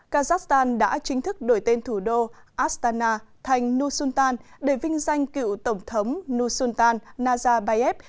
kazakhstan đã chính thức đổi tên thủ đô astana thành nusultan để vinh danh cựu tổng thống nusultan nazarbayev